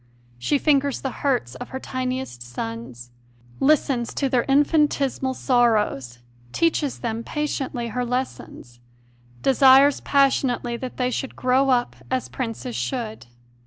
She fingers the hurts of her tiniest sons, listens to their infinitesi mal sorrows, teaches them patiently their lessons, desires passionately that they should grow up as princes should.